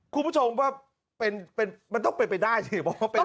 คุณผู้ชมก็ว่าเป็นมันต้องเป็นไปได้อุ้ย